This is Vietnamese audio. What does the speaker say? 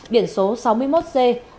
biển số sáu mươi một c bốn mươi năm nghìn